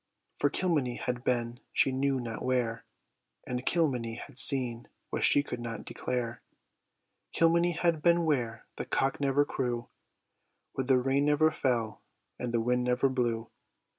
For Kilmeny had been she knew not where, And Kilmeny had seen what she could not declare. Kilmeny had been where the cock never crew, Where the rain never fell, and the wind never blew.